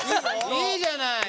いいじゃないの。